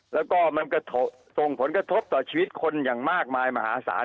แล้วก็มันก็ส่งผลกระทบต่อชีวิตคนอย่างมากมายมหาศาล